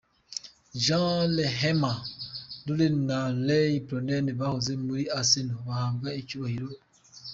Jens Lehman, Lauren na ray Perlour bahoze muri Arsenal, bahabwa icyubahiro i Emirates .